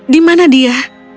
di mana dia